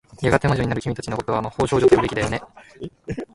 やがて魔女になる君たちの事は、魔法少女と呼ぶべきだよね。